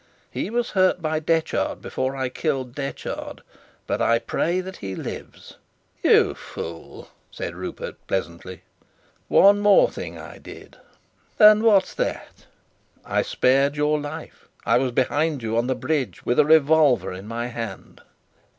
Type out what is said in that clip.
"He was hurt by Detchard before I killed Detchard, but I pray that he lives." "You fool!" said Rupert, pleasantly. "One thing more I did." "And what's that?" "I spared your life. I was behind you on the bridge, with a revolver in my hand."